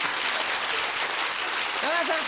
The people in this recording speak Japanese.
山田さん